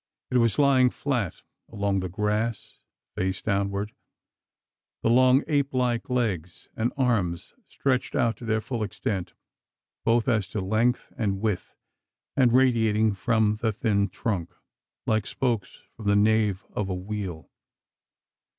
It was lying flat along the grass, face downward, the long ape like legs and arms stretched out to their full extent both as to length and width and radiating from the thin trunk, like spokes from the nave of a wheel!